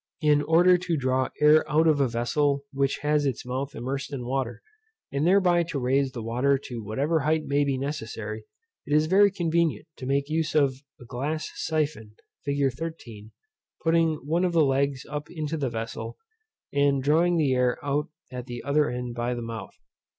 In order to draw air out of a vessel which has its mouth immersed in water, and thereby to raise the water to whatever height may be necessary, it is very convenient to make use of a glass syphon, fig. 13, putting one of the legs up into the vessel, and drawing the air out at the other end by the mouth.